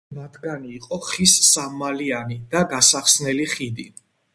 ორივე მათგანი იყო ხის სამმალიანი და გასახსნელი ხიდი.